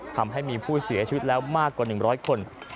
ทำให้มีผู้เสียชีวิตแล้วมากกว่า๑๐๐คน